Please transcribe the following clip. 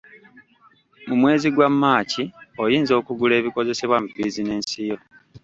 Mu mwezi gwa maaci oyinza okugula ebikozesebwa mu bizinensi yo.